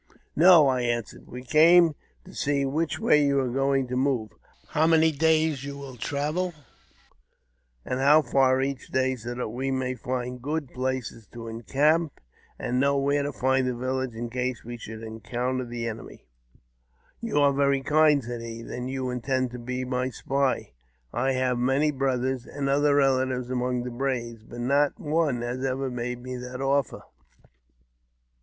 " No," I answered. " We came to see which way you are going to move, how many days you will travel, and how far each day ; so that we may find good places to encamp, and know where to find the village in case we should encounter the enemy." i JAMES P. BECKWOUBTH. 203 ''You are very kind," said he; ''then you intend to be my spy. I have many brothers and other relatives among the braves, but not one has ever made me that offer."